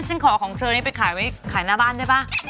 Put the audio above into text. ฉันขอของเธอนี้ไปขายที่บ้านด้วยไหม